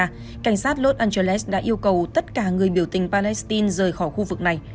cảnh sát los angeles đã yêu cầu tất cả người biểu tình palestine rời khỏi khu vực này